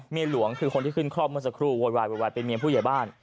แม่หลวงคือคนที่ขึ้นครอบเมื่อสักครู่โหยเป็นเมียผู้ใหญ่บ้าน